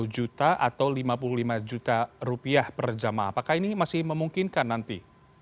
satu juta atau lima puluh lima juta rupiah per jamaah apakah ini masih memungkinkan nanti